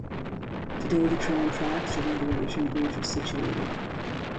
Today the tram tracks are where the original bridge was situated.